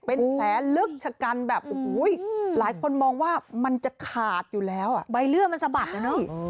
เป็นแผลลึกชะกันแบบโอ้โหหลายคนมองว่ามันจะขาดอยู่แล้วใบเลือดมันสะบัดนะพี่